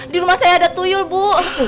di rumah saya ada tuyul bu